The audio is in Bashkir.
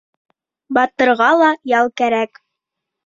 Батырға ла ял кәрәк.